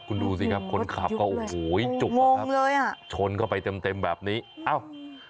คุณดูสิครับคนขับก็โอ้โหจุกอะครับเลยอ่ะชนเข้าไปเต็มเต็มแบบนี้อ้าว